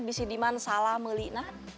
bi si diman salah melinat